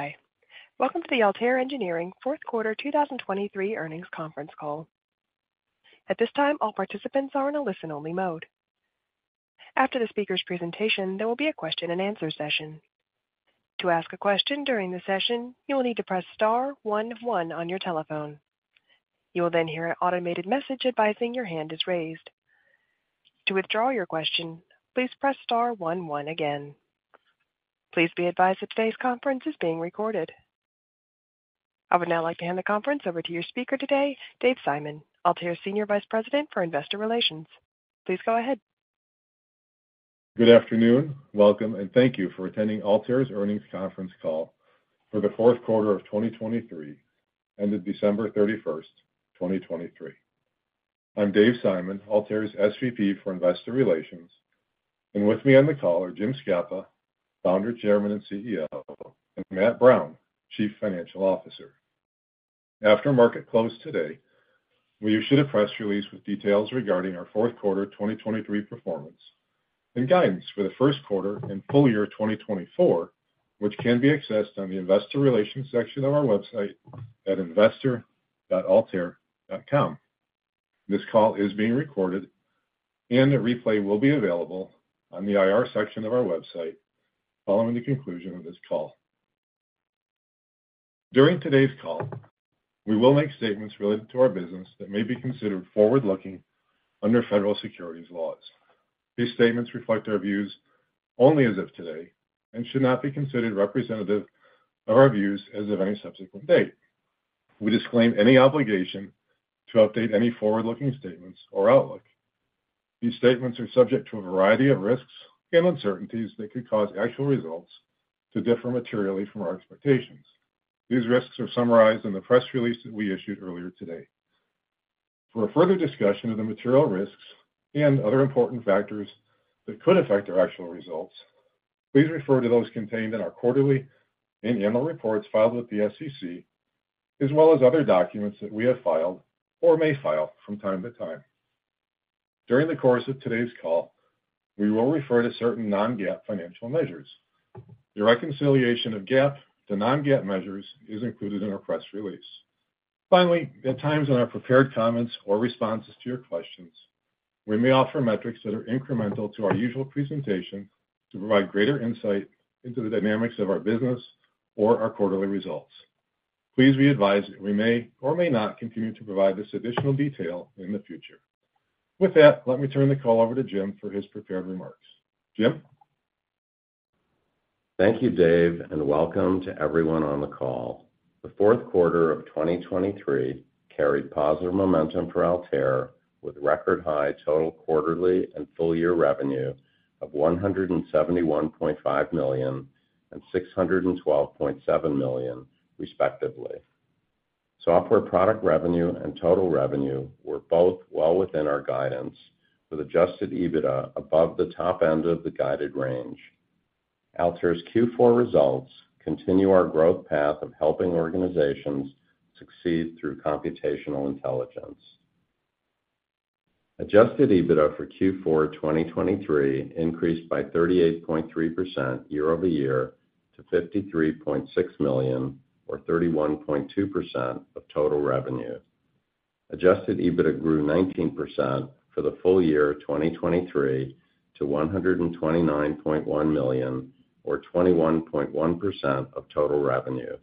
Hi. Welcome to the Altair Engineering fourth quarter 2023 earnings conference call. At this time, all participants are in a listen-only mode. After the speaker's presentation, there will be a question-and-answer session. To ask a question during the session, you will need to press star one one on your telephone. You will then hear an automated message advising your hand is raised. To withdraw your question, please press star one one again. Please be advised that today's conference is being recorded. I would now like to hand the conference over to your speaker today, Dave Simon, Altair's Senior Vice President for Investor Relations. Please go ahead. Good afternoon, welcome, and thank you for attending Altair's earnings conference call for the fourth quarter of 2023, ended December 31, 2023. I'm Dave Simon, Altair's SVP for Investor Relations, and with me on the call are Jim Scapa, Founder, Chairman, and CEO, and Matt Brown, Chief Financial Officer. After market close today, we issued a press release with details regarding our fourth quarter 2023 performance and guidance for the first quarter and full year 2024, which can be accessed on the investor relations section of our website at investor.altair.com. This call is being recorded, and a replay will be available on the IR section of our website following the conclusion of this call. During today's call, we will make statements related to our business that may be considered forward-looking under federal securities laws. These statements reflect our views only as of today and should not be considered representative of our views as of any subsequent date. We disclaim any obligation to update any forward-looking statements or outlook. These statements are subject to a variety of risks and uncertainties that could cause actual results to differ materially from our expectations. These risks are summarized in the press release that we issued earlier today. For a further discussion of the material risks and other important factors that could affect our actual results, please refer to those contained in our quarterly and annual reports filed with the SEC, as well as other documents that we have filed or may file from time to time. During the course of today's call, we will refer to certain non-GAAP financial measures. The reconciliation of GAAP to non-GAAP measures is included in our press release. Finally, at times in our prepared comments or responses to your questions, we may offer metrics that are incremental to our usual presentation to provide greater insight into the dynamics of our business or our quarterly results. Please be advised that we may or may not continue to provide this additional detail in the future. With that, let me turn the call over to Jim for his prepared remarks. Jim? Thank you, Dave, and welcome to everyone on the call. The fourth quarter of 2023 carried positive momentum for Altair, with record high total quarterly and full-year revenue of $171.5 million and $612.7 million, respectively. Software product revenue and total revenue were both well within our guidance, with Adjusted EBITDA above the top end of the guided range. Altair's Q4 results continue our growth path of helping organizations succeed through computational intelligence. Adjusted EBITDA for Q4 2023 increased by 38.3% year-over-year to $53.6 million or 31.2% of total revenue. Adjusted EBITDA grew 19% for the full year 2023 to $129.1 million, or 21.1% of total revenue,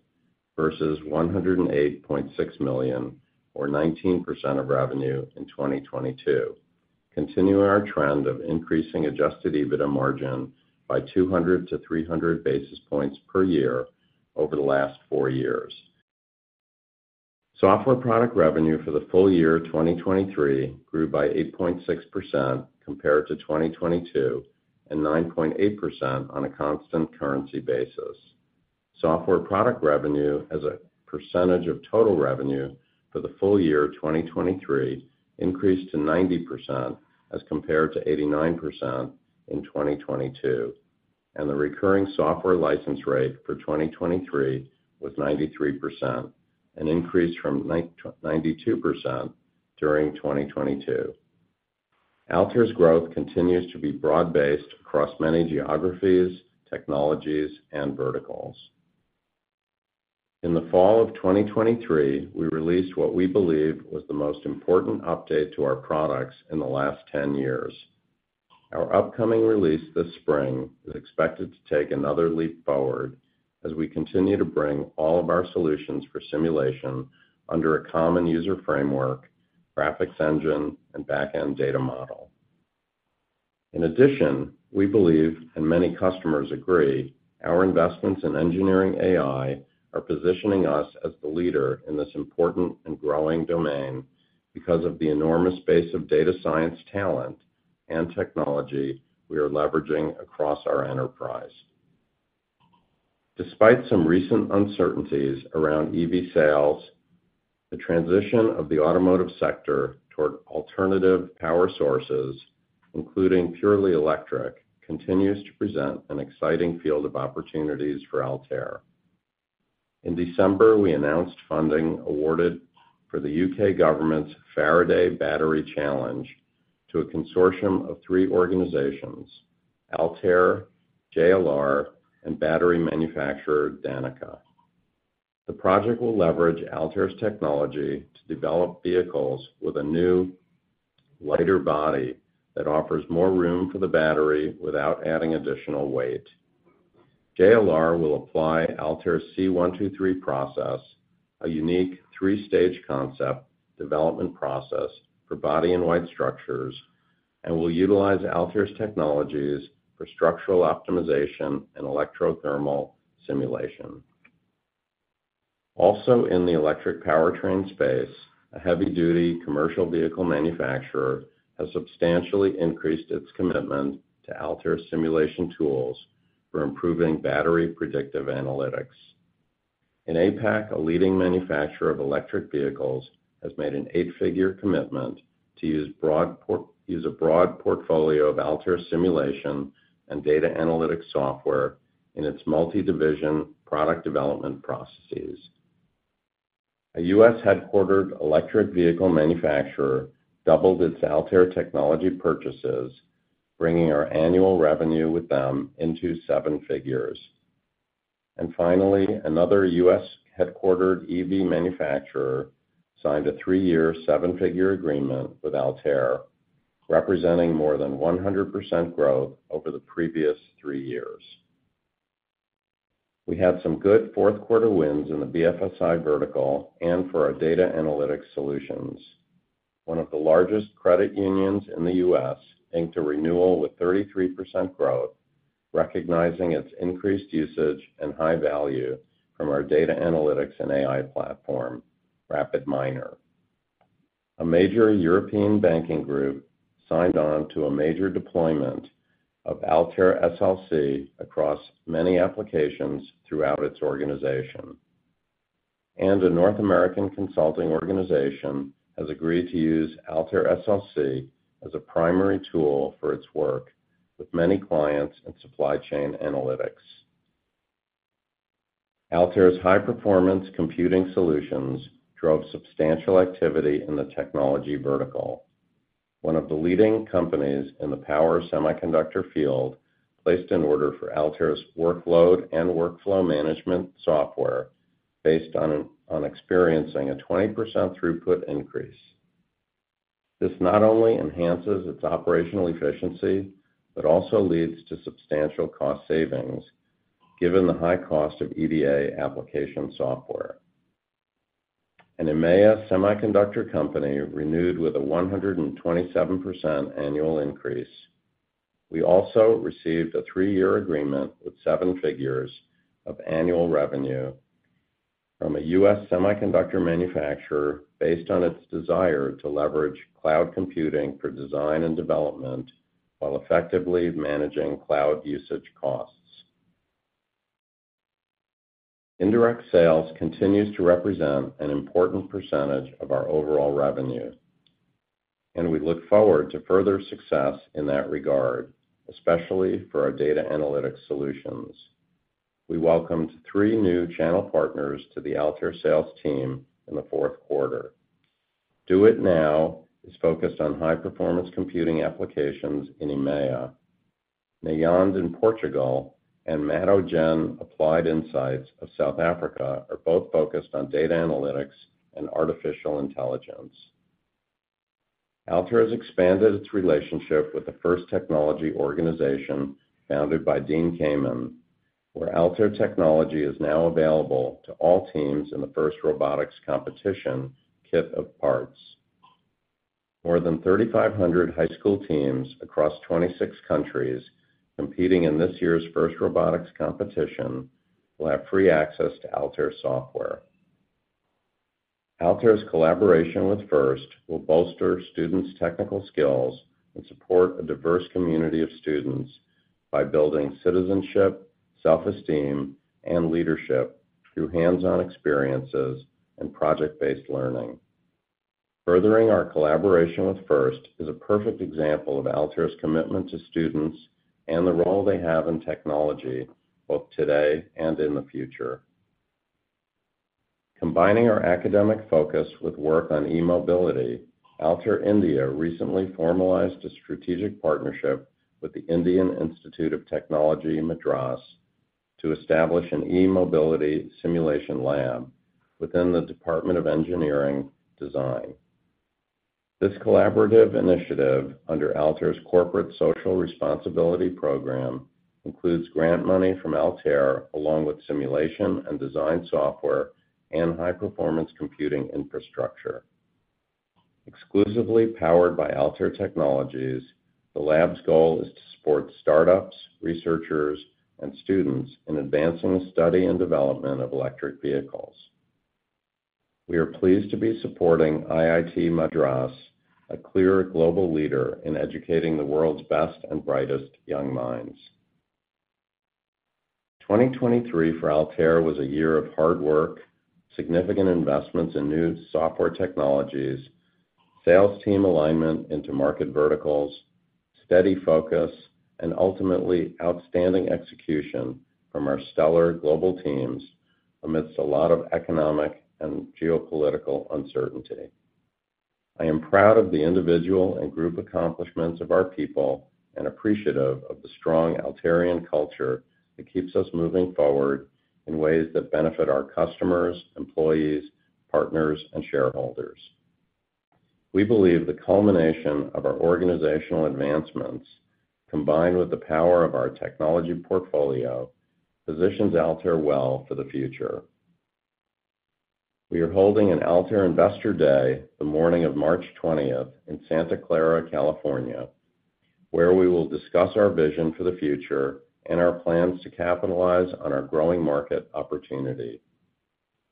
versus $108.6 million, or 19% of revenue in 2022, continuing our trend of increasing adjusted EBITDA margin by 200-300 basis points per year over the last four years. Software product revenue for the full year 2023 grew by 8.6% compared to 2022, and 9.8% on a constant currency basis. Software product revenue as a percentage of total revenue for the full year 2023 increased to 90% as compared to 89% in 2022, and the recurring software license rate for 2023 was 93%, an increase from 92% during 2022. Altair's growth continues to be broad-based across many geographies, technologies, and verticals. In the fall of 2023, we released what we believe was the most important update to our products in the last 10 years. Our upcoming release this spring is expected to take another leap forward as we continue to bring all of our solutions for simulation under a common user framework, graphics engine, and back-end data model. In addition, we believe, and many customers agree, our investments in engineering AI are positioning us as the leader in this important and growing domain because of the enormous base of data science, talent, and technology we are leveraging across our enterprise. Despite some recent uncertainties around EV sales, the transition of the automotive sector toward alternative power sources, including purely electric, continues to present an exciting field of opportunities for Altair. In December, we announced funding awarded for the UK government's Faraday Battery Challenge to a consortium of three organizations, Altair, JLR, and battery manufacturer Danecca. The project will leverage Altair's technology to develop vehicles with a new, lighter body that offers more room for the battery without adding additional weight. JLR will apply Altair's C123 process, a unique three-stage concept development process for body-in-white structures, and will utilize Altair's technologies for structural optimization and electrothermal simulation. Also, in the electric powertrain space, a heavy-duty commercial vehicle manufacturer has substantially increased its commitment to Altair's simulation tools for improving battery predictive analytics. In APAC, a leading manufacturer of electric vehicles has made an eight-figure commitment to use a broad portfolio of Altair simulation and data analytics software in its multi-division product development processes. A U.S.-headquartered electric vehicle manufacturer doubled its Altair technology purchases, bringing our annual revenue with them into seven figures. Finally, another U.S.-headquartered EV manufacturer signed a three-year, seven-figure agreement with Altair, representing more than 100% growth over the previous three years. We had some good fourth quarter wins in the BFSI vertical and for our data analytics solutions. One of the largest credit unions in the U.S. inked a renewal with 33% growth, recognizing its increased usage and high value from our data analytics and AI platform, RapidMiner. A major European banking group signed on to a major deployment of Altair SLC across many applications throughout its organization. A North American consulting organization has agreed to use Altair SLC as a primary tool for its work with many clients in supply chain analytics. Altair's high-performance computing solutions drove substantial activity in the technology vertical. One of the leading companies in the power semiconductor field placed an order for Altair's workload and workflow management software based on experiencing a 20% throughput increase. This not only enhances its operational efficiency, but also leads to substantial cost savings, given the high cost of EDA application software. An EMEA semiconductor company renewed with a 127% annual increase. We also received a three-year agreement with seven figures of annual revenue from a US semiconductor manufacturer based on its desire to leverage cloud computing for design and development, while effectively managing cloud usage costs. Indirect sales continues to represent an important percentage of our overall revenue, and we look forward to further success in that regard, especially for our data analytics solutions. We welcomed three new channel partners to the Altair sales team in the fourth quarter. Do IT Now is focused on high-performance computing applications in EMEA. Neyond in Portugal and Matogen Applied Insights of South Africa are both focused on data analytics and artificial intelligence. Altair has expanded its relationship with the FIRST technology organization, founded by Dean Kamen, where Altair technology is now available to all teams in the FIRST Robotics Competition Kit of Parts. More than 3,500 high school teams across 26 countries competing in this year's FIRST Robotics Competition will have free access to Altair software. Altair's collaboration with FIRST will bolster students' technical skills and support a diverse community of students by building citizenship, self-esteem, and leadership through hands-on experiences and project-based learning. Furthering our collaboration with FIRST is a perfect example of Altair's commitment to students and the role they have in technology, both today and in the future. Combining our academic focus with work on e-mobility, Altair India recently formalized a strategic partnership with the Indian Institute of Technology Madras to establish an e-mobility simulation lab within the Department of Engineering Design. This collaborative initiative, under Altair's Corporate Social Responsibility program, includes grant money from Altair, along with simulation and design software and high-performance computing infrastructure. Exclusively powered by Altair technologies, the lab's goal is to support startups, researchers, and students in advancing the study and development of electric vehicles. We are pleased to be supporting IIT Madras, a clear global leader in educating the world's best and brightest young minds. 2023 for Altair was a year of hard work, significant investments in new software technologies, sales team alignment into market verticals, steady focus, and ultimately outstanding execution from our stellar global teams amidst a lot of economic and geopolitical uncertainty. I am proud of the individual and group accomplishments of our people, and appreciative of the strong Altairian culture that keeps us moving forward in ways that benefit our customers, employees, partners, and shareholders. We believe the culmination of our organizational advancements, combined with the power of our technology portfolio, positions Altair well for the future. We are holding an Altair Investor Day the morning of March twentieth in Santa Clara, California, where we will discuss our vision for the future and our plans to capitalize on our growing market opportunity.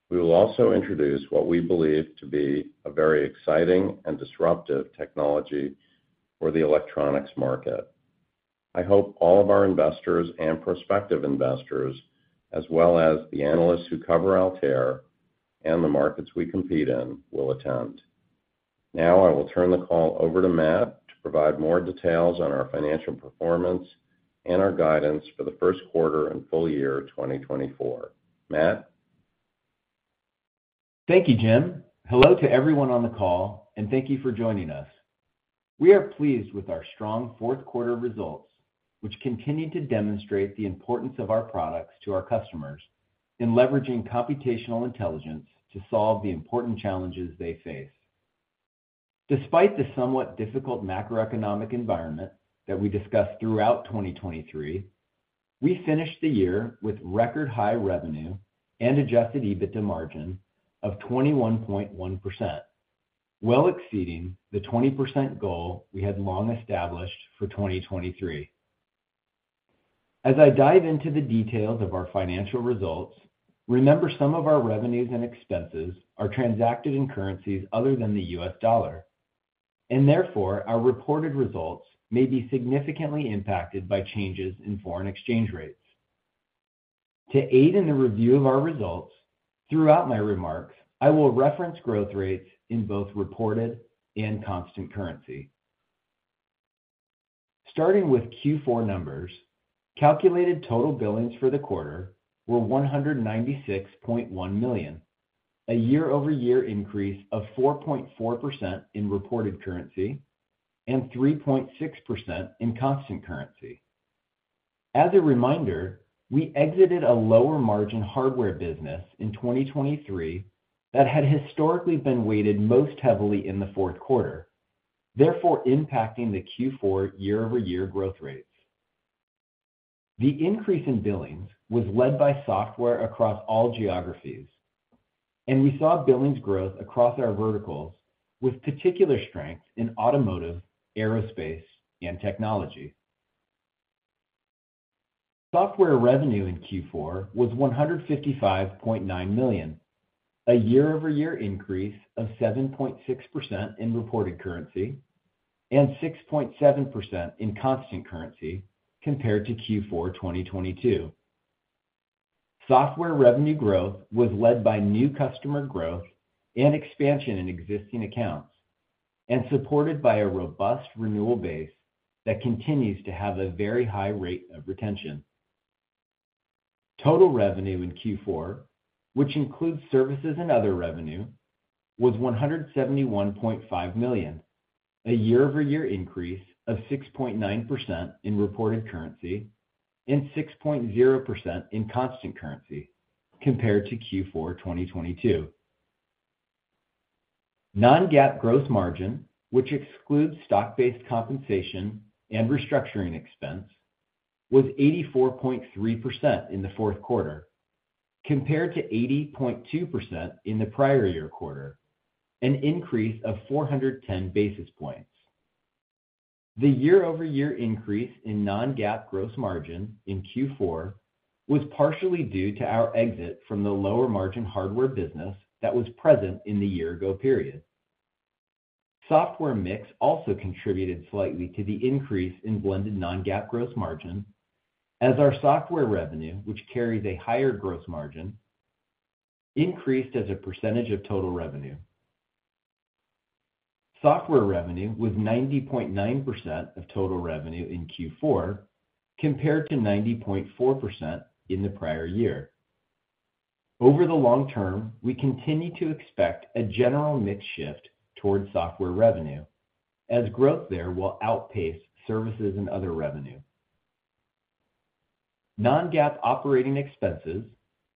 We will also introduce what we believe to be a very exciting and disruptive technology for the electronics market. I hope all of our investors and prospective investors, as well as the analysts who cover Altair and the markets we compete in, will attend. Now I will turn the call over to Matt to provide more details on our financial performance and our guidance for the first quarter and full year 2024. Matt? Thank you, Jim. Hello to everyone on the call, and thank you for joining us. We are pleased with our strong fourth quarter results, which continue to demonstrate the importance of our products to our customers in leveraging computational intelligence to solve the important challenges they face. Despite the somewhat difficult macroeconomic environment that we discussed throughout 2023, we finished the year with record-high revenue and Adjusted EBITDA margin of 21.1%, well exceeding the 20% goal we had long established for 2023. As I dive into the details of our financial results, remember, some of our revenues and expenses are transacted in currencies other than the US dollar, and therefore, our reported results may be significantly impacted by changes in foreign exchange rates. To aid in the review of our results, throughout my remarks, I will reference growth rates in both reported and constant currency. Starting with Q4 numbers, calculated total billings for the quarter were $196.1 million, a year-over-year increase of 4.4% in reported currency and 3.6% in constant currency. As a reminder, we exited a lower-margin hardware business in 2023 that had historically been weighted most heavily in the fourth quarter, therefore impacting the Q4 year-over-year growth rates. The increase in billings was led by software across all geographies, and we saw billings growth across our verticals, with particular strength in automotive, aerospace, and technology. Software revenue in Q4 was $155.9 million, a year-over-year increase of 7.6% in reported currency and 6.7% in constant currency compared to Q4 2022. Software revenue growth was led by new customer growth and expansion in existing accounts, and supported by a robust renewal base that continues to have a very high rate of retention. Total revenue in Q4, which includes services and other revenue, was $171.5 million, a year-over-year increase of 6.9% in reported currency and 6.0% in constant currency compared to Q4 2022. Non-GAAP gross margin, which excludes stock-based compensation and restructuring expense, was 84.3% in the fourth quarter, compared to 80.2% in the prior year quarter, an increase of 410 basis points. The year-over-year increase in non-GAAP gross margin in Q4 was partially due to our exit from the lower-margin hardware business that was present in the year-ago period. Software mix also contributed slightly to the increase in blended non-GAAP gross margin, as our software revenue, which carries a higher gross margin, increased as a percentage of total revenue. Software revenue was 90.9% of total revenue in Q4, compared to 90.4% in the prior year. Over the long term, we continue to expect a general mix shift towards software revenue, as growth there will outpace services and other revenue. Non-GAAP operating expenses,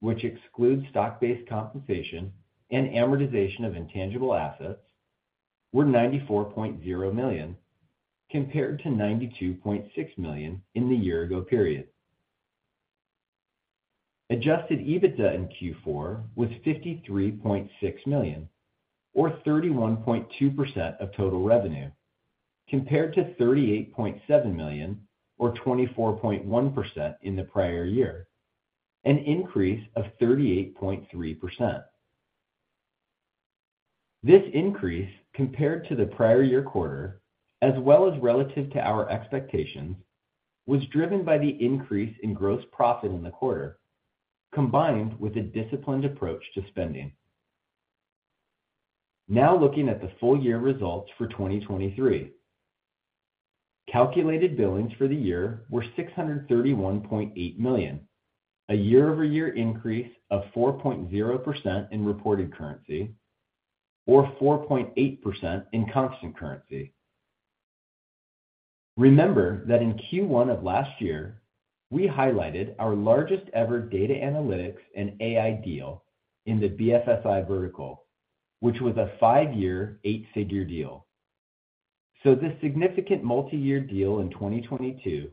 which excludes stock-based compensation and amortization of intangible assets, were $94.0 million, compared to $92.6 million in the year-ago period. Adjusted EBITDA in Q4 was $53.6 million, or 31.2% of total revenue, compared to $38.7 million, or 24.1% in the prior year, an increase of 38.3%. This increase compared to the prior year quarter, as well as relative to our expectations, was driven by the increase in gross profit in the quarter, combined with a disciplined approach to spending. Now looking at the full year results for 2023. Calculated billings for the year were $631.8 million, a year-over-year increase of 4.0% in reported currency, or 4.8% in constant currency. Remember that in Q1 of last year, we highlighted our largest ever data analytics and AI deal in the BFSI vertical, which was a 5-year, eight-figure deal. So this significant multi-year deal in 2022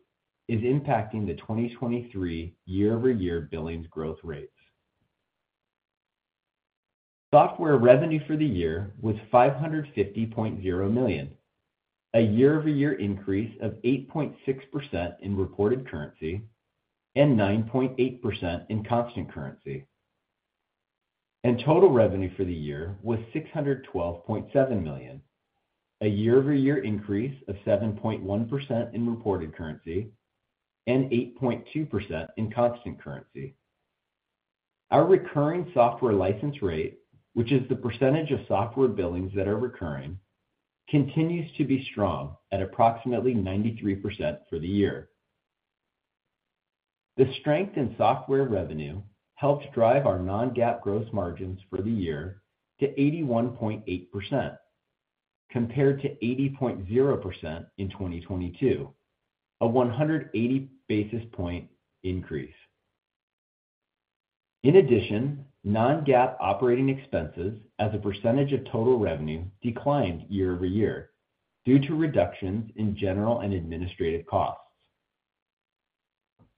is impacting the 2023 year-over-year billings growth rates. Software revenue for the year was $550.0 million, a year-over-year increase of 8.6% in reported currency and 9.8% in constant currency, and total revenue for the year was $612.7 million, a year-over-year increase of 7.1% in reported currency and 8.2% in constant currency. Our recurring software license rate, which is the percentage of software billings that are recurring, continues to be strong at approximately 93% for the year. The strength in software revenue helped drive our non-GAAP gross margins for the year to 81.8%, compared to 80.0% in 2022, a 180 basis point increase. In addition, non-GAAP operating expenses as a percentage of total revenue declined year-over-year due to reductions in general and administrative costs.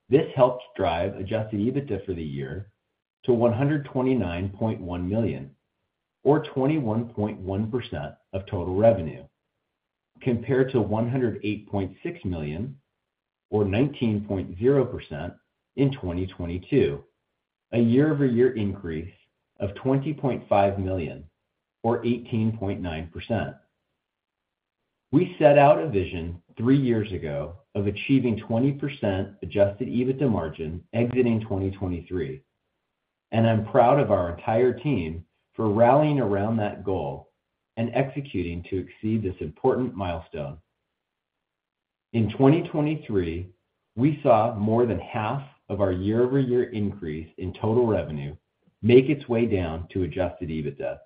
This helped drive adjusted EBITDA for the year to $129.1 million, or 21.1% of total revenue, compared to $108.6 million, or 19.0% in 2022, a year-over-year increase of $20.5 million, or 18.9%. We set out a vision three years ago of achieving 20% adjusted EBITDA margin exiting 2023, and I'm proud of our entire team for rallying around that goal and executing to exceed this important milestone. In 2023, we saw more than half of our year-over-year increase in total revenue make its way down to adjusted EBITDA.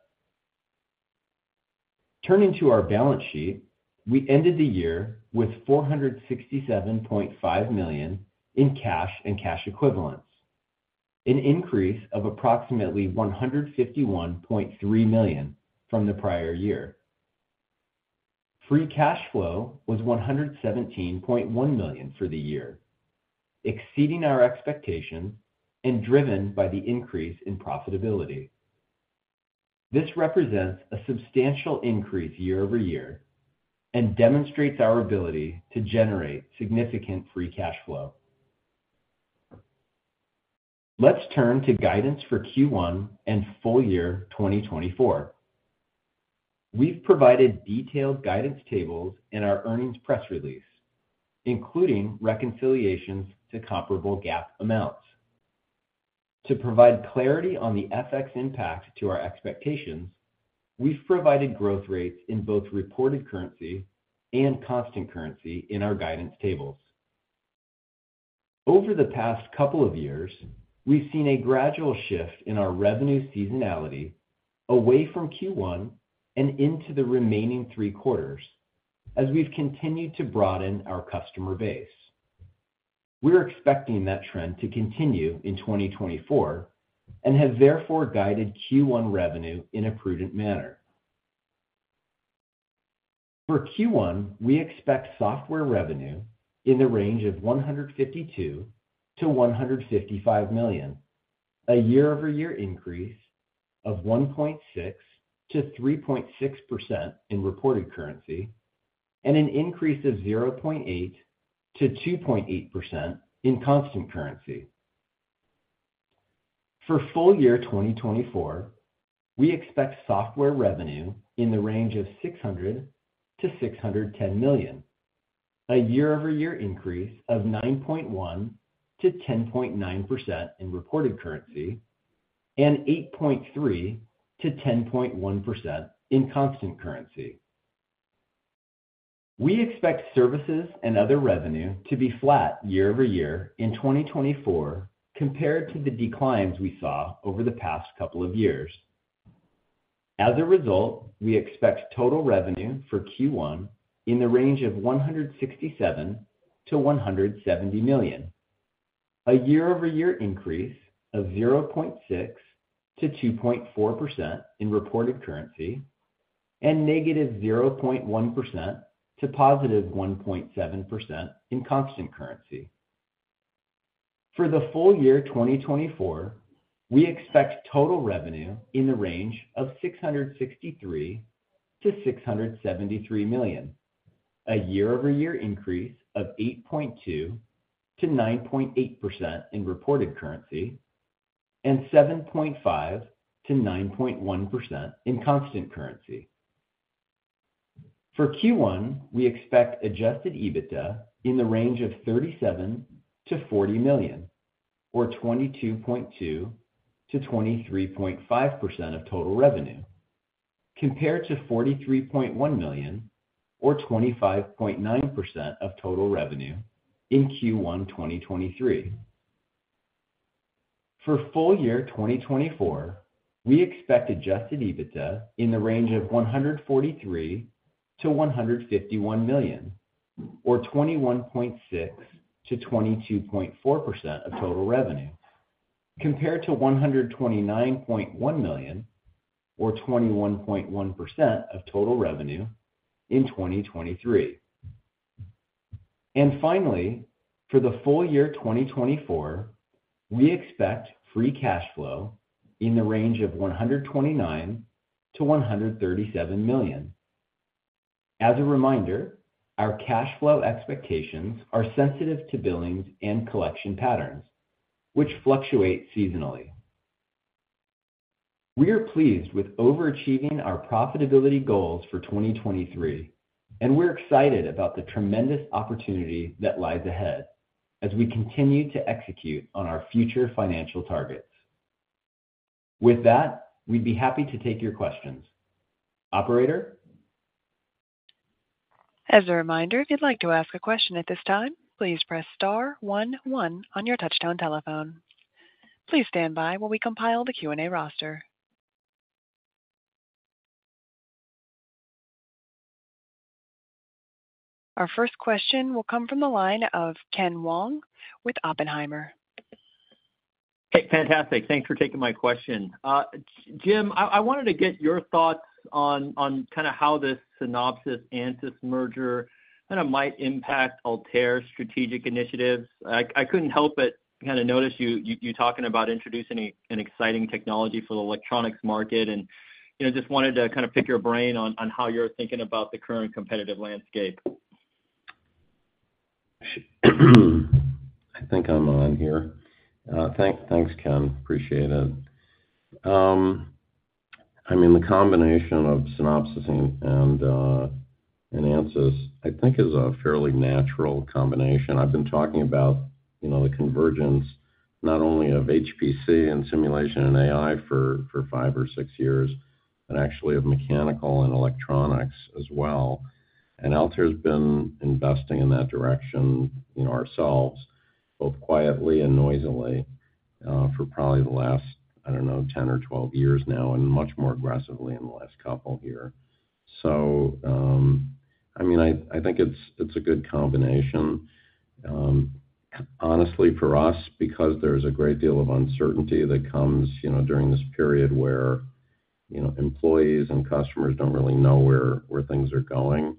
Turning to our balance sheet, we ended the year with $467.5 million in cash and cash equivalents, an increase of approximately $151.3 million from the prior year. Free cash flow was $117.1 million for the year, exceeding our expectations and driven by the increase in profitability. This represents a substantial increase year-over-year and demonstrates our ability to generate significant free cash flow. Let's turn to guidance for Q1 and full year 2024. We've provided detailed guidance tables in our earnings press release, including reconciliations to comparable GAAP amounts. To provide clarity on the FX impact to our expectations, we've provided growth rates in both reported currency and constant currency in our guidance tables. Over the past couple of years, we've seen a gradual shift in our revenue seasonality away from Q1 and into the remaining three quarters as we've continued to broaden our customer base. We're expecting that trend to continue in 2024, and have therefore guided Q1 revenue in a prudent manner. For Q1, we expect software revenue in the range of $152 million-$155 million, a year-over-year increase of 1.6%-3.6% in reported currency, and an increase of 0.8%-2.8% in constant currency. For full year 2024, we expect software revenue in the range of $600 million-$610 million, a year-over-year increase of 9.1%-10.9% in reported currency and 8.3%-10.1% in constant currency. We expect services and other revenue to be flat year-over-year in 2024 compared to the declines we saw over the past couple of years. As a result, we expect total revenue for Q1 in the range of $167 million-$170 million, a year-over-year increase of 0.6%-2.4% in reported currency, and -0.1% to +1.7% in constant currency. For the full year 2024, we expect total revenue in the range of $663 million-$673 million, a year-over-year increase of 8.2%-9.8% in reported currency and 7.5%-9.1% in constant currency. For Q1, we expect adjusted EBITDA in the range of $37 million-$40 million, or 22.2%-23.5% of total revenue, compared to $43.1 million, or 25.9% of total revenue in Q1 2023. For full year 2024, we expect adjusted EBITDA in the range of $143 million-$151 million, or 21.6%-22.4% of total revenue, compared to $129.1 million, or 21.1% of total revenue in 2023. Finally, for the full year 2024, we expect free cash flow in the range of $129 million-$137 million. As a reminder, our cash flow expectations are sensitive to billings and collection patterns, which fluctuate seasonally. We are pleased with overachieving our profitability goals for 2023, and we're excited about the tremendous opportunity that lies ahead as we continue to execute on our future financial targets. With that, we'd be happy to take your questions. Operator? As a reminder, if you'd like to ask a question at this time, please press star one one on your touchtone telephone. Please stand by while we compile the Q&A roster. Our first question will come from the line of Ken Wong with Oppenheimer. Hey, fantastic. Thanks for taking my question. Jim, I wanted to get your thoughts on kind of how this Synopsys-Ansys merger kind of might impact Altair's strategic initiatives. I couldn't help but kind of notice you talking about introducing an exciting technology for the electronics market, and, you know, just wanted to kind of pick your brain on how you're thinking about the current competitive landscape. I think I'm on here. Thanks, Ken. Appreciate it. I mean, the combination of Synopsys and Ansys, I think, is a fairly natural combination. I've been talking about, you know, the convergence not only of HPC and simulation and AI for five or six years, but actually of mechanical and electronics as well. And Altair's been investing in that direction, in ourselves, both quietly and noisily, for probably the last, I don't know, 10 or 12 years now, and much more aggressively in the last couple here. So, I mean, I think it's a good combination. Honestly, for us, because there's a great deal of uncertainty that comes, you know, during this period where, you know, employees and customers don't really know where things are going,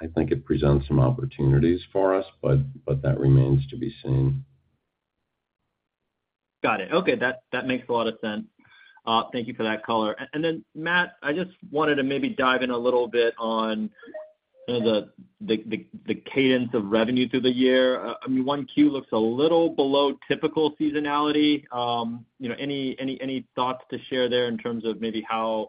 I think it presents some opportunities for us, but that remains to be seen. Got it. Okay, that makes a lot of sense. Thank you for that color. And then, Matt, I just wanted to maybe dive in a little bit on the cadence of revenue through the year. I mean, one Q looks a little below typical seasonality. You know, any thoughts to share there in terms of maybe how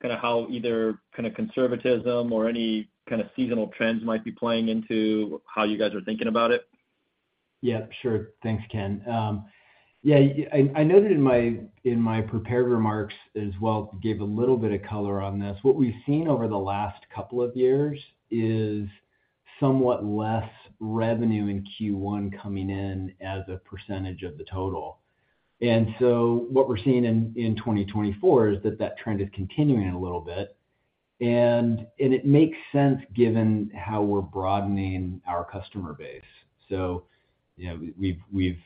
kinda how either kind of conservatism or any kind of seasonal trends might be playing into how you guys are thinking about it? Yeah, sure. Thanks, Ken. Yeah, I noted in my prepared remarks as well, gave a little bit of color on this. What we've seen over the last couple of years is somewhat less revenue in Q1 coming in as a percentage of the total. And so what we're seeing in 2024 is that that trend is continuing a little bit, and it makes sense given how we're broadening our customer base. So you know, we've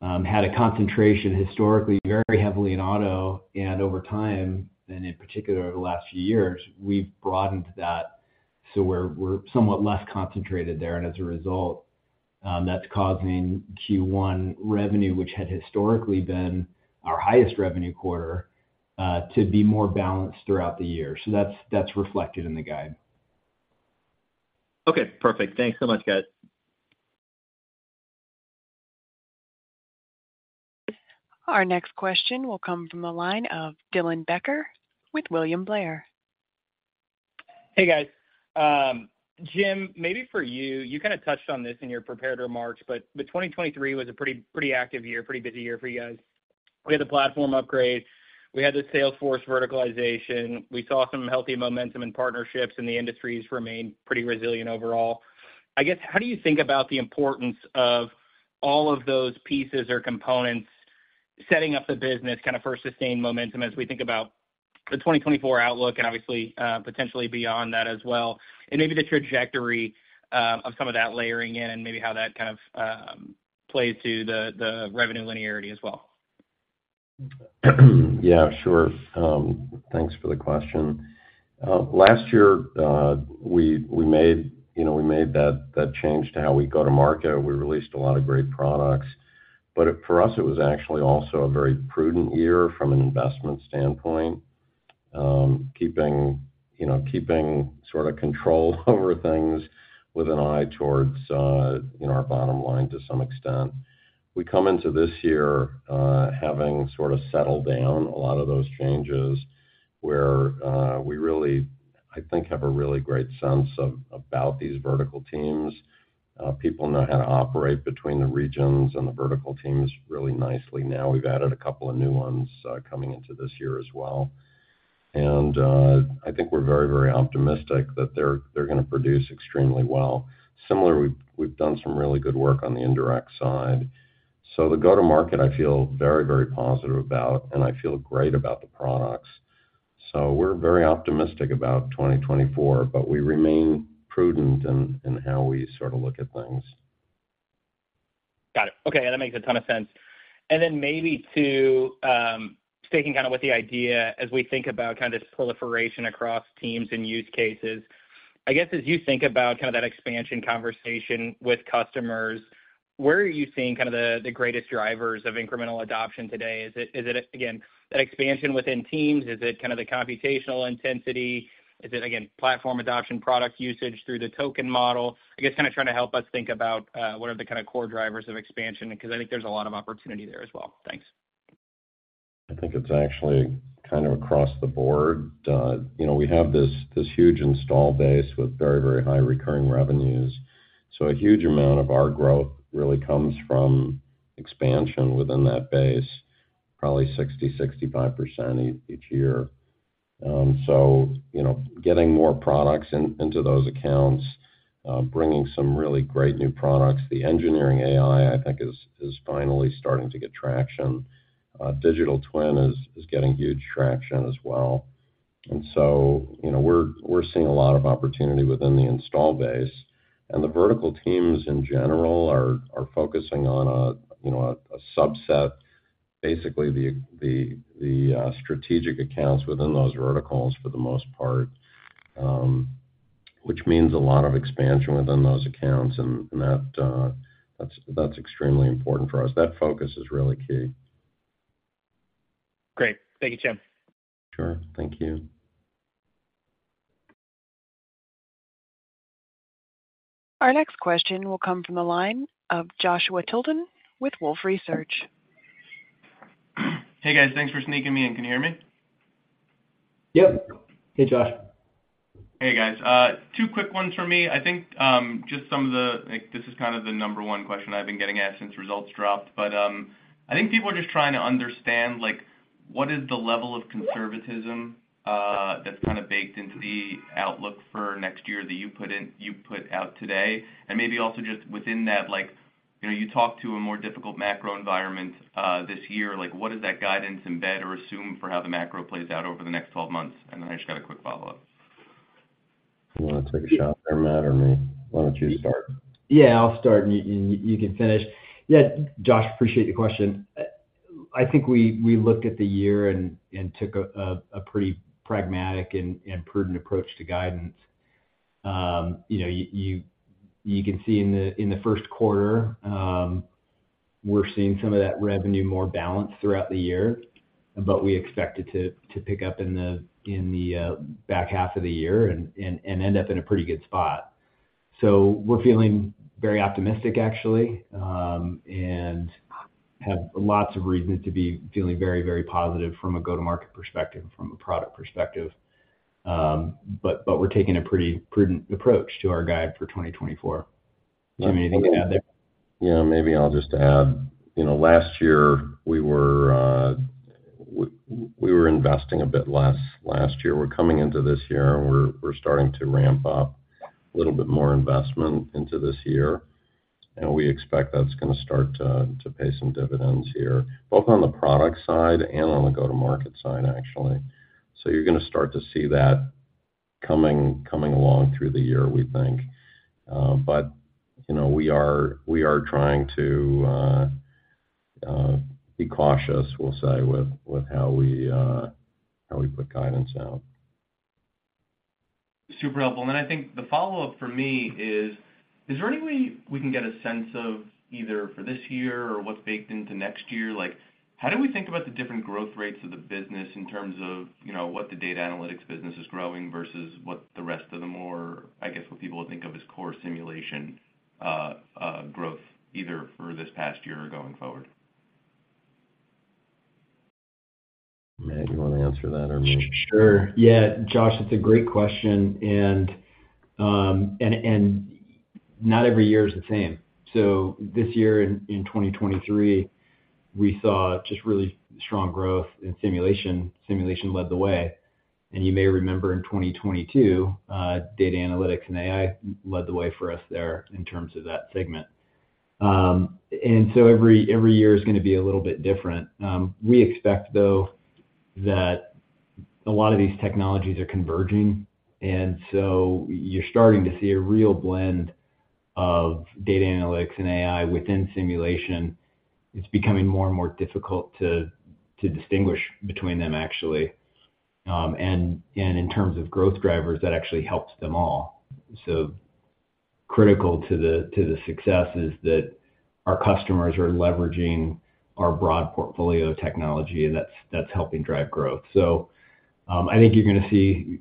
had a concentration historically, very heavily in auto, and over time, and in particular, over the last few years, we've broadened that. So we're somewhat less concentrated there, and as a result, that's causing Q1 revenue, which had historically been our highest revenue quarter, to be more balanced throughout the year. So that's reflected in the guide. Okay, perfect. Thanks so much, guys. Our next question will come from the line of Dylan Becker with William Blair. Hey, guys. Jim, maybe for you, you kind of touched on this in your prepared remarks, but, but 2023 was a pretty, pretty active year, pretty busy year for you guys. We had the platform upgrades. We had the sales force verticalization. We saw some healthy momentum in partnerships, and the industries remained pretty resilient overall. I guess, how do you think about the importance of all of those pieces or components setting up the business kind of for sustained momentum as we think about the 2024 outlook and obviously, potentially beyond that as well, and maybe the trajectory of some of that layering in, and maybe how that kind of plays to the revenue linearity as well? Yeah, sure. Thanks for the question. Last year, we made, you know, that change to how we go to market. We released a lot of great products, but it's, for us, it was actually also a very prudent year from an investment standpoint. Keeping, you know, sort of control over things with an eye towards, you know, our bottom line to some extent. We come into this year, having sort of settled down a lot of those changes, where I think have a really great sense of, about these vertical teams. People know how to operate between the regions and the vertical teams really nicely now. We've added a couple of new ones, coming into this year as well. And, I think we're very, very optimistic that they're gonna produce extremely well. Similarly, we've done some really good work on the indirect side. So the go-to-market, I feel very, very positive about, and I feel great about the products. So we're very optimistic about 2024, but we remain prudent in how we sort of look at things. Got it. Okay, that makes a ton of sense. And then maybe to, sticking kinda with the idea as we think about kind of this proliferation across teams and use cases, I guess, as you think about kind of that expansion conversation with customers, where are you seeing kind of the, the greatest drivers of incremental adoption today? Is it, is it, again, an expansion within teams? Is it kind of the computational intensity? Is it, again, platform adoption, product usage through the token model? I guess, kinda trying to help us think about, what are the kind of core drivers of expansion, because I think there's a lot of opportunity there as well. Thanks. I think it's actually kind of across the board. You know, we have this huge install base with very, very high recurring revenues, so a huge amount of our growth really comes from expansion within that base, probably 60-65% each year. So, you know, getting more products into those accounts, bringing some really great new products. The engineering AI, I think, is finally starting to get traction. Digital twin is getting huge traction as well. And so, you know, we're seeing a lot of opportunity within the install base. The vertical teams, in general, are focusing on, you know, a subset, basically, the strategic accounts within those verticals for the most part, which means a lot of expansion within those accounts, and that's extremely important for us. That focus is really key. Great. Thank you, Jim. Sure. Thank you. Our next question will come from the line of Joshua Tilton with Wolfe Research. Hey, guys, thanks for sneaking me in. Can you hear me? Yep. Hey, Josh. Hey, guys. Two quick ones for me. I think, like, this is kind of the number one question I've been getting asked since results dropped. But, I think people are just trying to understand, like, what is the level of conservatism that's kind of baked into the outlook for next year that you put in, you put out today? And maybe also just within that, like, you know, you talked to a more difficult macro environment this year. Like, what does that guidance embed or assume for how the macro plays out over the next twelve months? And then I just got a quick follow-up. You wanna take a shot there, Matt, or me? Why don't you start? Yeah, I'll start, and you can finish. Yeah, Josh, appreciate the question. I think we looked at the year and took a pretty pragmatic and prudent approach to guidance. You know, you can see in the first quarter, we're seeing some of that revenue more balanced throughout the year, but we expect it to pick up in the back half of the year and end up in a pretty good spot. So we're feeling very optimistic, actually, and have lots of reasons to be feeling very positive from a go-to-market perspective, from a product perspective. But we're taking a pretty prudent approach to our guide for 2024. Do you have anything to add there? Yeah, maybe I'll just add. You know, last year, we were investing a bit less last year. We're coming into this year, and we're starting to ramp up a little bit more investment into this year, and we expect that's gonna start to pay some dividends here, both on the product side and on the go-to-market side, actually. So you're gonna start to see that coming along through the year, we think. But, you know, we are trying to be cautious, we'll say, with how we put guidance out. Super helpful. And then I think the follow-up for me is: Is there any way we can get a sense of either for this year or what's baked into next year? Like, how do we think about the different growth rates of the business in terms of, you know, what the data analytics business is growing versus what the rest of the more, I guess, what people would think of as core simulation, growth, either for this past year or going forward? Matt, do you wanna answer that, or me? Sure. Yeah, Josh, it's a great question, and not every year is the same. So this year in 2023, we saw just really strong growth in simulation. Simulation led the way. And you may remember in 2022, data analytics and AI led the way for us there in terms of that segment. And so every year is gonna be a little bit different. We expect, though, that a lot of these technologies are converging, and so you're starting to see a real blend of data analytics and AI within simulation. It's becoming more and more difficult to distinguish between them, actually. And in terms of growth drivers, that actually helps them all. So critical to the success is that our customers are leveraging our broad portfolio of technology, and that's helping drive growth. I think you're gonna see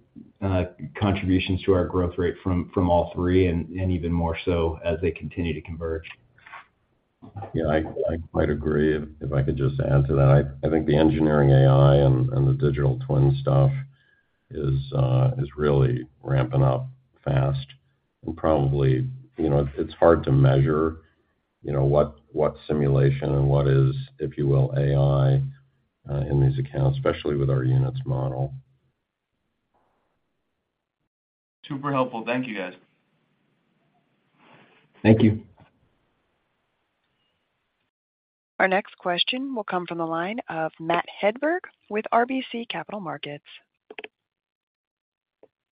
contributions to our growth rate from all three and even more so as they continue to converge. Yeah, I quite agree. If I could just add to that, I think the engineering AI and the digital twin stuff is really ramping up fast. And probably, you know, it's hard to measure, you know, what simulation and what is, if you will, AI in these accounts, especially with our units model. Super helpful. Thank you, guys. Thank you. Our next question will come from the line of Matt Hedberg with RBC Capital Markets.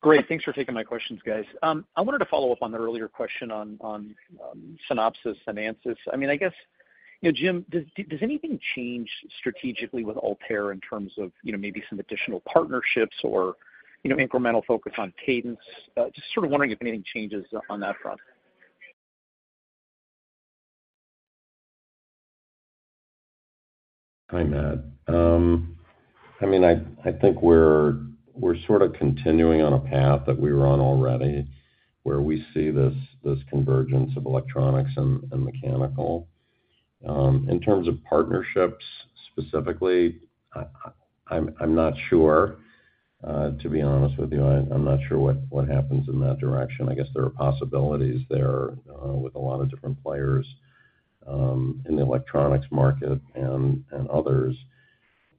Great. Thanks for taking my questions, guys. I wanted to follow up on the earlier question on Synopsys and Ansys. I mean, I guess, you know, Jim, does anything change strategically with Altair in terms of, you know, maybe some additional partnerships or, you know, incremental focus on cadence? Just sort of wondering if anything changes on that front. Hi, Matt. I mean, I think we're sort of continuing on a path that we were on already, where we see this convergence of electronics and mechanical. In terms of partnerships, specifically, I'm not sure, to be honest with you. I'm not sure what happens in that direction. I guess there are possibilities there with a lot of different players in the electronics market and others.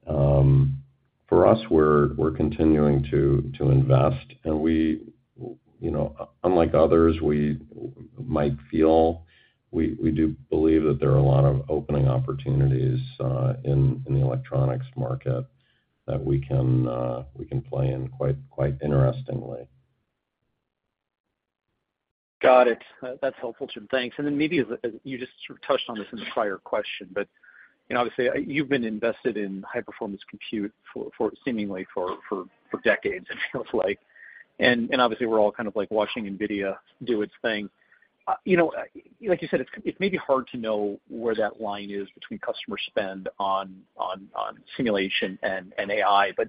For us, we're continuing to invest, and we, you know, unlike others, we might feel, we do believe that there are a lot of opening opportunities in the electronics market that we can play in quite interestingly. Got it. That's helpful, Jim. Thanks. And then maybe, as you just sort of touched on this in the prior question, but, you know, obviously, you've been invested in high-performance computing for seemingly decades, it feels like. And obviously, we're all kind of, like, watching NVIDIA do its thing. You know, like you said, it may be hard to know where that line is between customer spend on simulation and AI, but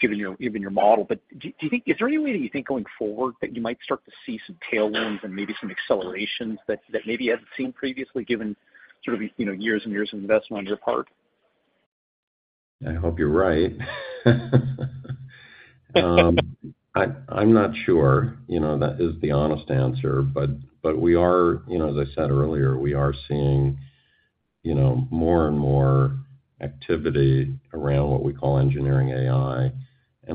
given your model, do you think, is there any way that you think going forward that you might start to see some tailwinds and maybe some accelerations that maybe you hadn't seen previously, given sort of the, you know, years and years of investment on your part? I hope you're right. I'm not sure, you know, that is the honest answer, but we are, you know, as I said earlier, we are seeing, you know, more and more activity around what we call engineering AI, and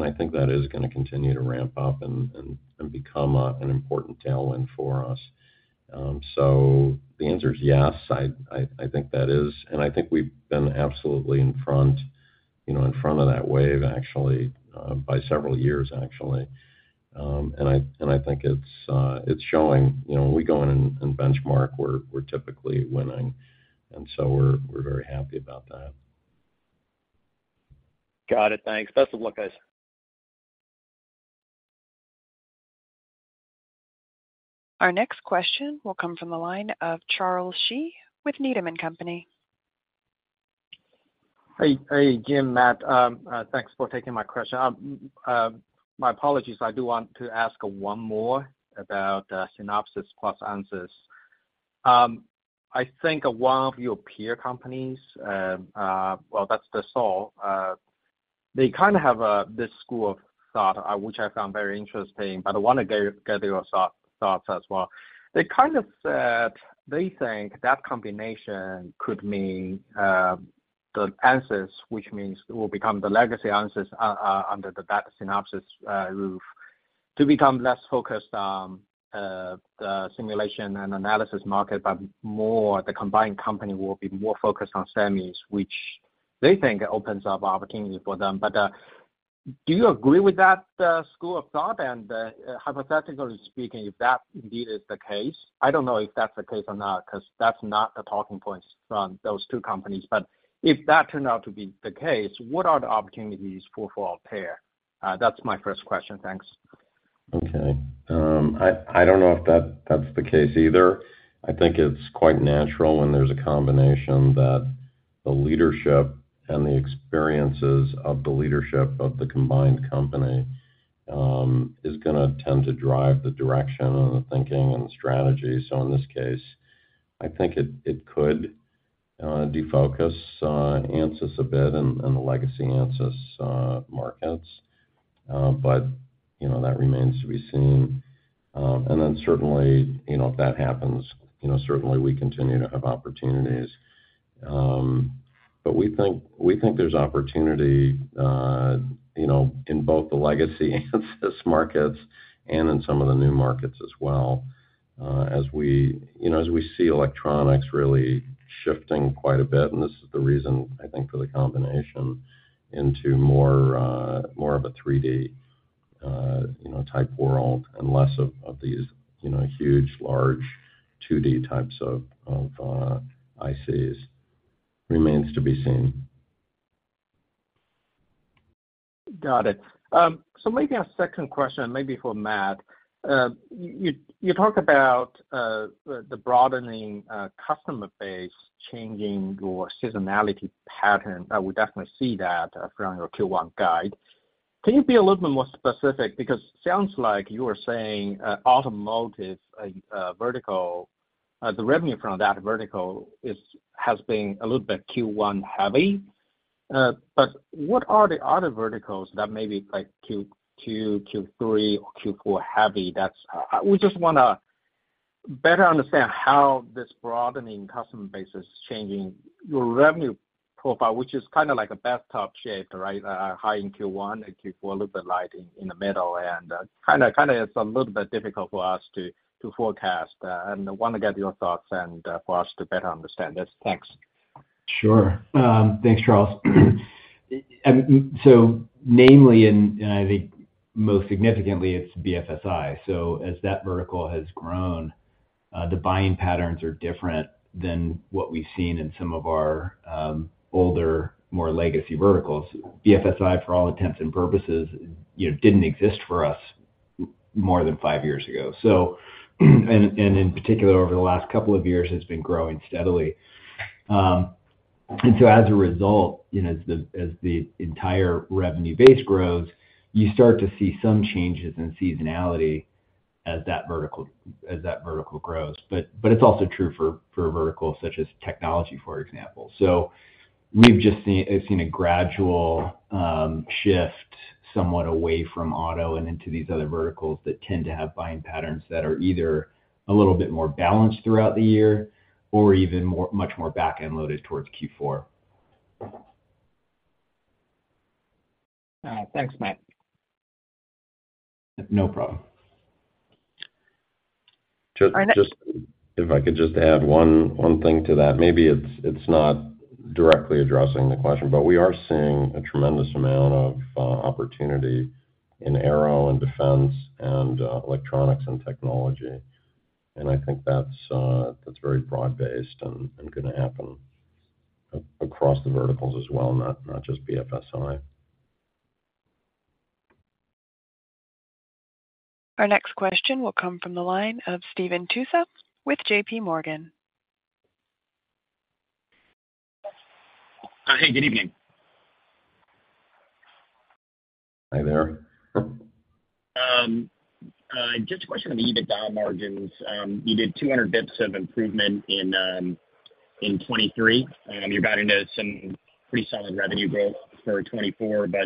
I think that is gonna continue to ramp up and become an important tailwind for us. So the answer is yes. I think that is, and I think we've been absolutely in front, you know, in front of that wave, actually, by several years, actually. And I think it's showing, you know, when we go in and benchmark, we're typically winning, and so we're very happy about that. Got it. Thanks. Best of luck, guys. Our next question will come from the line of Charles Shi with Needham & Company. Hey, hey, Jim, Matt. Thanks for taking my question. My apologies, I do want to ask one more about Synopsys plus Ansys. I think one of your peer companies, well, that's Dassault Systèmes, they kind of have this school of thought, which I found very interesting, but I want to get, get your thought, thoughts as well. They kind of said, they think that combination could mean the Ansys, which means will become the legacy Ansys under the Synopsys roof, to become less focused on the simulation and analysis market, but more the combined company will be more focused on semis, which they think opens up opportunity for them. But do you agree with that school of thought? Hypothetically speaking, if that indeed is the case, I don't know if that's the case or not, 'cause that's not the talking points from those two companies. But if that turned out to be the case, what are the opportunities for, for Altair? That's my first question. Thanks. Okay. I don't know if that's the case either. I think it's quite natural when there's a combination that the leadership and the experiences of the leadership of the combined company is gonna tend to drive the direction and the thinking and the strategy. So in this case, I think it could defocus Ansys a bit and the legacy Ansys markets, but, you know, that remains to be seen. And then certainly, you know, if that happens, you know, certainly we continue to have opportunities. But we think there's opportunity, you know, in both the legacy Ansys markets and in some of the new markets as well. As we, you know, as we see electronics really shifting quite a bit, and this is the reason, I think, for the combination into more, more of a 3D, you know, type world, and less of, of these, you know, huge, large, 2D types of, of, ICs, remains to be seen. Got it. So maybe a second question, maybe for Matt. You talked about the broadening customer base changing your seasonality pattern. I would definitely see that from your Q1 guide. Can you be a little bit more specific? Because it sounds like you were saying automotive vertical the revenue from that vertical is has been a little bit Q1 heavy. But what are the other verticals that may be like Q2, Q3, or Q4 heavy? That's we just wanna better understand how this broadening customer base is changing your revenue profile, which is kind of like a bathtub shape, right? High in Q1 and Q4, a little bit light in the middle, and kind of it's a little bit difficult for us to forecast. I wanna get your thoughts and for us to better understand this. Thanks. Sure. Thanks, Charles. So namely, and, and I think most significantly, it's BFSI. So as that vertical has grown, the buying patterns are different than what we've seen in some of our, older, more legacy verticals. BFSI, for all intents and purposes, you know, didn't exist for us more than five years ago. So, and, and in particular, over the last couple of years, has been growing steadily. And so as a result, you know, as the entire revenue base grows, you start to see some changes in seasonality as that vertical grows. But it's also true for a vertical such as technology, for example. So we've just seen, it's been a gradual shift, somewhat away from auto and into these other verticals that tend to have buying patterns that are either a little bit more balanced throughout the year or even more, much more back-end loaded towards Q4. Thanks, Matt. No problem. Just, just- Our next-... If I could just add one thing to that. Maybe it's not directly addressing the question, but we are seeing a tremendous amount of opportunity in aero and defense and electronics and technology. And I think that's very broad-based and gonna happen across the verticals as well, not just BFSI. Our next question will come from the line of Stephen Tusa with JPMorgan. Hi, good evening. Hi there. Just a question on the EBITDA margins. You did 200 basis points of improvement in 2023, and you're guiding to some pretty solid revenue growth for 2024, but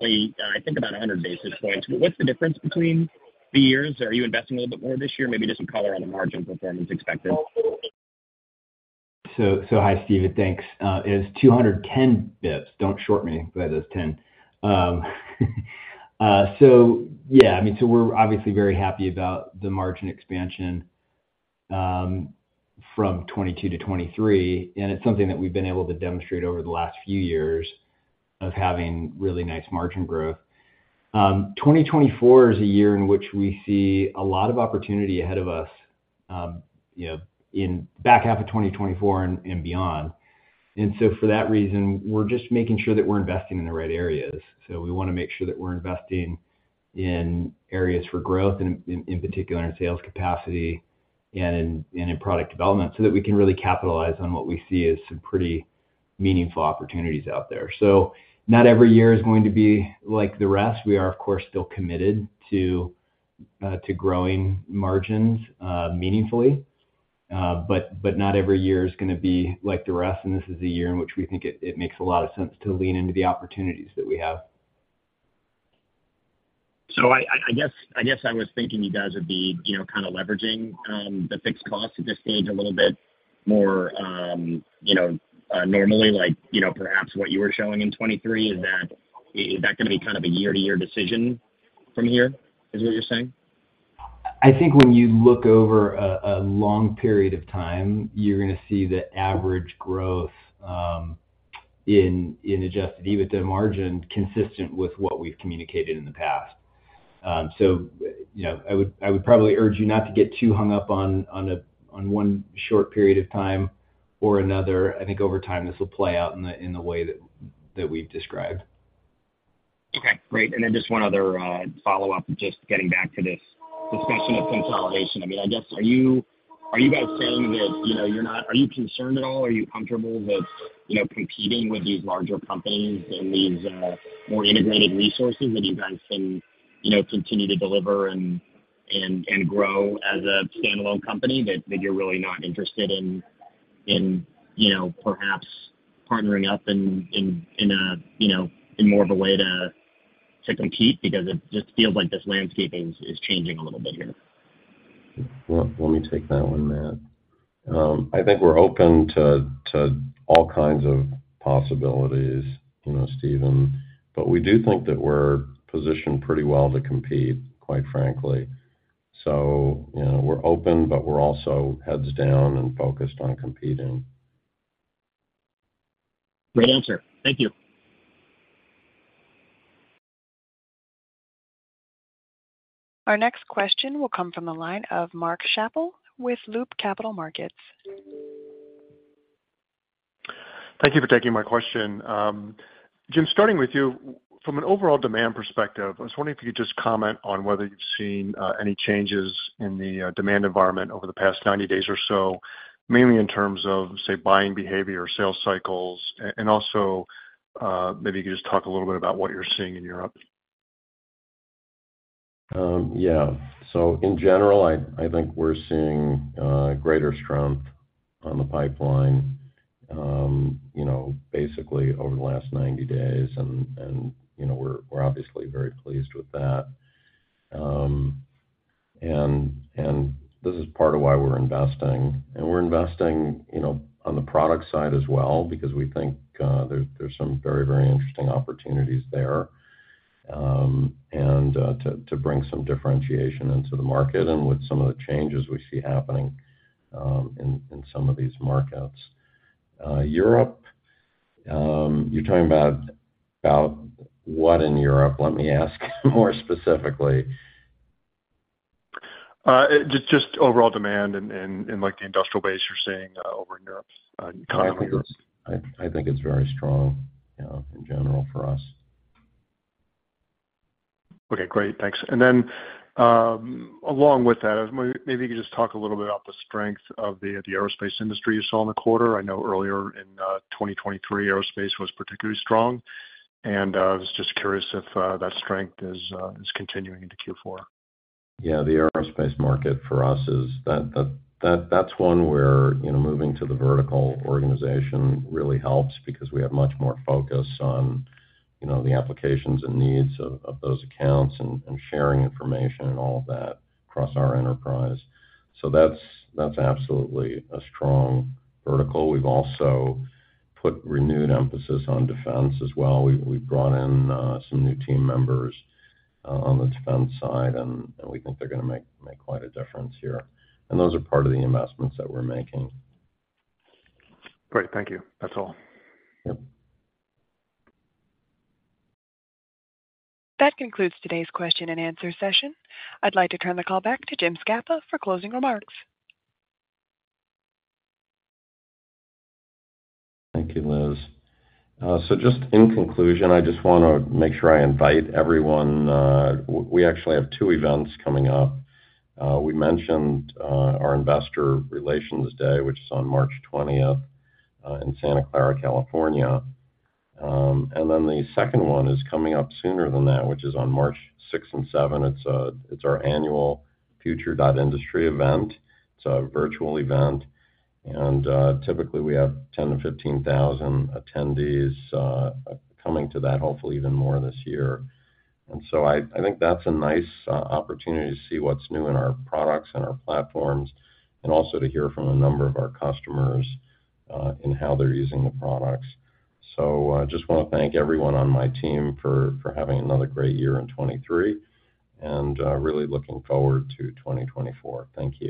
only, I think, about 100 basis points. What's the difference between the years? Are you investing a little bit more this year? Maybe just some color on the margin performance expected. Hi, Stephen, thanks. It's 210 basis points. Don't short me by those ten. So yeah, I mean, so we're obviously very happy about the margin expansion from 2022 to 2023, and it's something that we've been able to demonstrate over the last few years of having really nice margin growth. 2024 is a year in which we see a lot of opportunity ahead of us, you know, in back half of 2024 and beyond. And so for that reason, we're just making sure that we're investing in the right areas. So we wanna make sure that we're investing in areas for growth, and in particular, in sales capacity and in product development, so that we can really capitalize on what we see as some pretty meaningful opportunities out there. So not every year is going to be like the rest. We are, of course, still committed to to growing margins meaningfully, but not every year is gonna be like the rest, and this is a year in which we think it makes a lot of sense to lean into the opportunities that we have. So I guess I was thinking you guys would be, you know, kind of leveraging the fixed costs at this stage a little bit more, you know, normally, like, you know, perhaps what you were showing in 2023. Is that gonna be kind of a year-to-year decision from here, is what you're saying? I think when you look over a long period of time, you're gonna see the average growth in Adjusted EBITDA margin, consistent with what we've communicated in the past. So, you know, I would probably urge you not to get too hung up on one short period of time or another. I think over time, this will play out in the way that we've described. Okay, great. And then just one other follow-up, just getting back to this discussion of consolidation. I mean, I guess, are you guys saying that, you know, you're not concerned at all, are you comfortable with, you know, competing with these larger companies and these more integrated resources that you guys can, you know, continue to deliver and grow as a standalone company? That you're really not interested in, you know, perhaps partnering up in a way to compete, because it just feels like this landscape is changing a little bit here. Well, let me take that one, Matt. I think we're open to all kinds of possibilities, you know, Stephen, but we do think that we're positioned pretty well to compete, quite frankly. So, you know, we're open, but we're also heads down and focused on competing. Great answer. Thank you. Our next question will come from the line of Mark Schappell with Loop Capital Markets. Thank you for taking my question. Jim, starting with you, from an overall demand perspective, I was wondering if you could just comment on whether you've seen any changes in the demand environment over the past 90 days or so, mainly in terms of, say, buying behavior or sales cycles. And also, maybe you could just talk a little bit about what you're seeing in Europe. Yeah, so in general, I think we're seeing greater strength on the pipeline, you know, basically over the last 90 days, and you know, we're obviously very pleased with that. And this is part of why we're investing, and we're investing, you know, on the product side as well, because we think there's some very, very interesting opportunities there, and to bring some differentiation into the market and with some of the changes we see happening in some of these markets. Europe, you're talking about what in Europe? Let me ask more specifically. Just overall demand and, like, the industrial base you're seeing over in Europe's economy. I think it's very strong, you know, in general for us. Okay, great. Thanks. And then, along with that, maybe you could just talk a little bit about the strength of the aerospace industry you saw in the quarter. I know earlier in 2023, aerospace was particularly strong, and I was just curious if that strength is continuing into Q4. Yeah, the aerospace market for us is, that, that's one where, you know, moving to the vertical organization really helps because we have much more focus on, you know, the applications and needs of those accounts and sharing information and all of that across our enterprise. So that's, that's absolutely a strong vertical. We've also put renewed emphasis on defense as well. We've brought in some new team members on the defense side, and we think they're gonna make quite a difference here. And those are part of the investments that we're making. Great. Thank you. That's all. Yep. That concludes today's question and answer session. I'd like to turn the call back to Jim Scapa for closing remarks. Thank you, Liz. So just in conclusion, I just wanna make sure I invite everyone. We actually have two events coming up. We mentioned our Investor Relations Day, which is on March twentieth in Santa Clara, California. And then the second one is coming up sooner than that, which is on March sixth and seventh. It's our annual Future.Industry event. It's a virtual event, and typically, we have 10-15,000 attendees coming to that, hopefully even more this year. And so I think that's a nice opportunity to see what's new in our products and our platforms, and also to hear from a number of our customers in how they're using the products. I just wanna thank everyone on my team for having another great year in 2023, and really looking forward to 2024. Thank you.